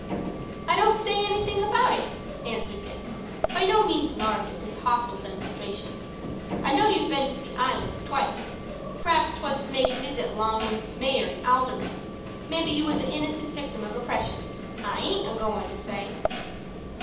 "I don't say anything about it," answered Dick, by no means alarmed at this hostile demonstration. "I know you've been to the Island twice. P'r'aps 'twas to make a visit along of the Mayor and Aldermen. Maybe you was a innocent victim of oppression. I aint a goin' to say."